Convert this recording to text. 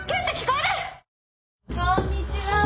こんにちは。